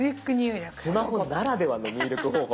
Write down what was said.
スマホならではの入力方法。